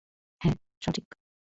হ্যাঁ, সঠিক।